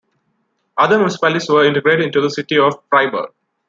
Other municipalities were integrated into the city of Freiburg.